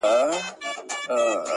او هايبريډيټي حالت يې رامنځته کړی